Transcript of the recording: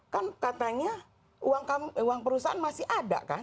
kan katanya uang perusahaan masih ada kan